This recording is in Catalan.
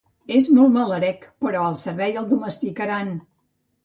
És molt malarec, però al servei el domesticaran!